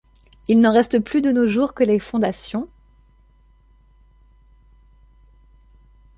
Il n'en reste plus de nos jours que les fondations.